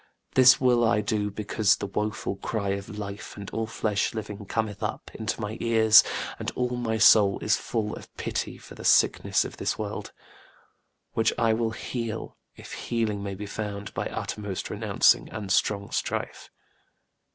This will I do because the woeful cry Of life and all flesh living cometh up Into my ears, and all my soul is full Of pity for the sickness of this world: Which I will heal, if healing may be found By uttermost renouncing and strong strife.